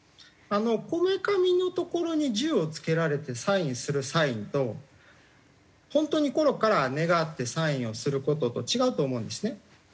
こめかみの所に銃をつけられてサインするサインと本当に心から願ってサインをする事と違うと思うんですね。